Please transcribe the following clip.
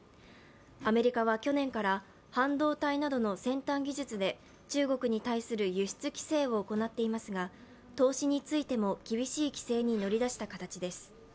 アメリカは去年から半導体などの先端技術で中国に対する輸出規制を行っていますが、投資についても厳しい規制に乗り出した形です。